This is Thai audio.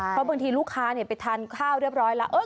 เพราะบางทีลูกค้าไปทานข้าวเรียบร้อยแล้ว